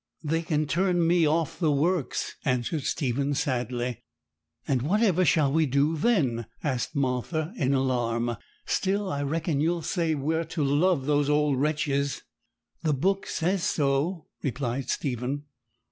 'They can turn me off the works,' answered Stephen sadly. 'And whatever shall we do then?' asked Martha, in alarm. 'Still I reckon you'll say we are to love those old wretches.' 'The Book says so,' replied Stephen.